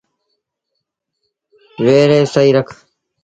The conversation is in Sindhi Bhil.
ويڙي سهيٚ رک۔